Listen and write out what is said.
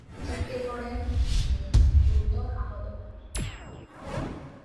ছিটকে পড়েন তিনি, গুরুতর আহত হন।